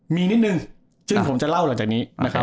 มีนิดนึงซึ่งผมจะเล่าหลังจากนี้นะครับ